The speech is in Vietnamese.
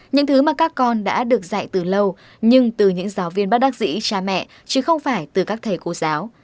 những thứ mà các con đã được dạy từ lâu nhưng từ những giáo viên bác sĩ cha mẹ chứ không phải từ các thầy cô giáo